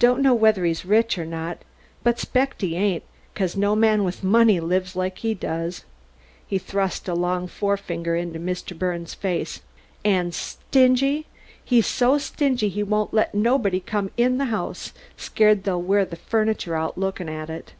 Don't know whether he's rich or not, but 'spect he ain't becuz no man with money'd live like he does." He thrust a long forefinger into Mr. Birnes' face. "And stingy! He's so stingy he won't let nobody come in the house scared they'll wear the furniture out looking at it."